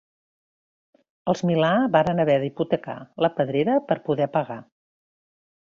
Els Milà varen haver d'hipotecar la Pedrera per poder pagar.